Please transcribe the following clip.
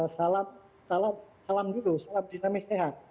salam salam salam gitu salam dinamis sehat